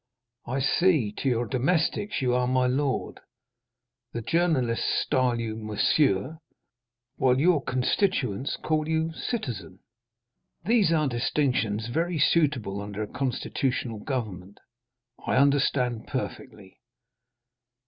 "I see; to your domestics you are 'my lord,' the journalists style you 'monsieur,' while your constituents call you 'citizen.' These are distinctions very suitable under a constitutional government. I understand perfectly."